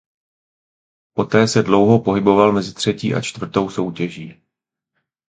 Poté se dlouho pohyboval mezi třetí a čtvrtou soutěží.